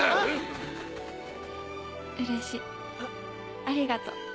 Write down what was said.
うれしいありがと。